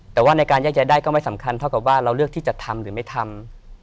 แต่ว่าในการแยกย้ายได้ก็ไม่สำคัญเท่ากับว่าเราเลือกที่จะทำหรือไม่ทำ